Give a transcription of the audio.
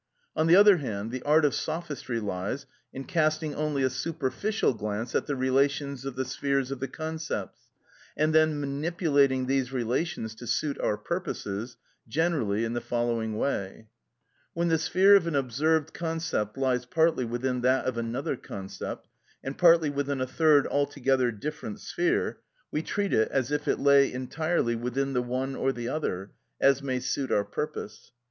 On the other hand, the art of sophistry lies in casting only a superficial glance at the relations of the spheres of the concepts, and then manipulating these relations to suit our purposes, generally in the following way:—When the sphere of an observed concept lies partly within that of another concept, and partly within a third altogether different sphere, we treat it as if it lay entirely within the one or the other, as may suit our purpose.